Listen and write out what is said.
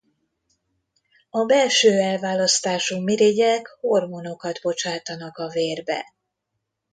A belső elválasztású mirigyek hormonokat bocsátanak a vérbe.